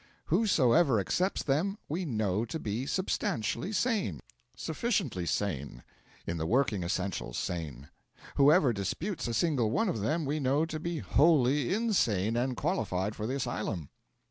Whosoever accepts them we know to be substantially sane; sufficiently sane; in the working essentials, sane. Whoever disputes a single one of them we know to be wholly insane, and qualified for the asylum.